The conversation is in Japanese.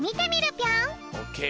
オッケー。